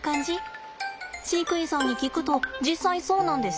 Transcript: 飼育員さんに聞くと実際そうなんですって。